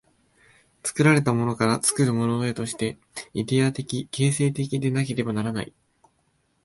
作られたものから作るものへとして、イデヤ的形成的でなければならない。